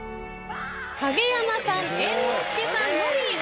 影山さん猿之助さんのみ正解。